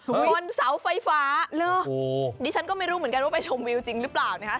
บนเสาไฟฟ้าดิฉันก็ไม่รู้เหมือนกันว่าไปชมวิวจริงหรือเปล่านะคะ